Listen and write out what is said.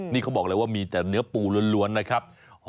นี่เขาบอกเลยว่ามีแต่เนื้อปูล้วนนะครับ